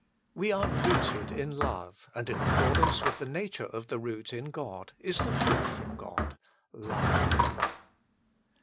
We are rooted in love, and in accordance with the nature of the root in God is the fruit from God love.